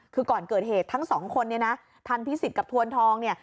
คือก่อนเกิดเหตุทั้งสองคนเนี่ยนะทันพิสิทธิ์กับทวนทองเนี่ย